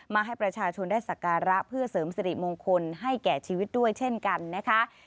ให้ประชาชนได้สักการะเพื่อเสริมสิริมงคลให้แก่ชีวิตด้วยเช่นกันนะคะ